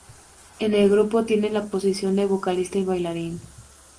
En el grupo tiene la posición de vocalista y bailarín.